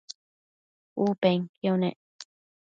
U penquio nec